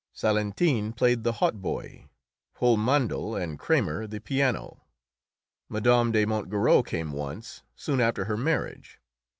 Salentin played the hautboy, Hulmandel and Cramer the piano. Mme. de Montgerou came once, soon after her marriage.